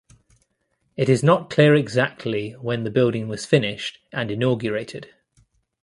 It is not clear exactly when the building was finished and inaugurated.